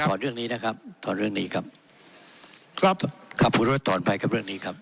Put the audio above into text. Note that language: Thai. เรื่องนี้นะครับถอนเรื่องนี้ครับครับขอบคุณว่าต่อไปครับเรื่องนี้ครับ